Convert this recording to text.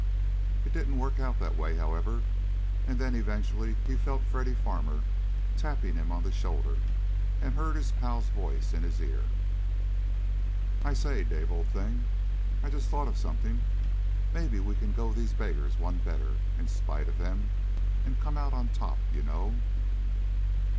It didn't work out that way, however. And then, eventually, he felt Freddy Farmer tapping him on the shoulder and heard his pal's voice in his ear. "I say, Dave, old thing, I just thought of something. Maybe we can go these beggars one better, in spite of them, and come out on top, you know."